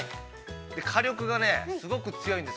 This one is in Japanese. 火力がすごく強いんです。